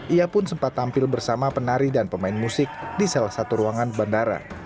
ia pun sempat tampil bersama penari dan pemain musik di salah satu ruangan bandara